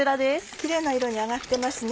キレイな色に揚がってますね。